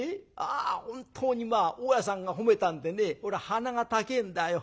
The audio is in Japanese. あ本当に大家さんが褒めたんでね俺は鼻が高えんだよ。